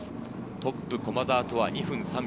トップ駒澤とは２分３秒。